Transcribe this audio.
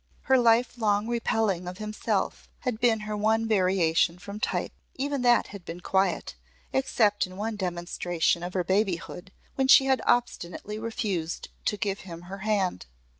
Her lifelong repelling of himself had been her one variation from type. Even that had been quiet except in one demonstration of her babyhood when she had obstinately refused to give him her hand.